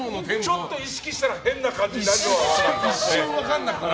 ちょっと意識したら変な感じになるのは分かる。